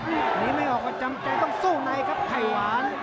หนีไม่ออกก็จำใจต้องสู้ในครับไข่หวาน